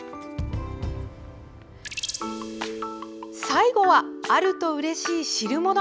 最後はあるとうれしい汁物。